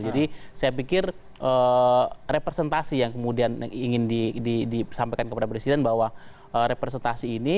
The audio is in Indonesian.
jadi saya pikir representasi yang kemudian ingin disampaikan kepada presiden bahwa representasi ini